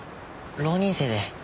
浪人生で。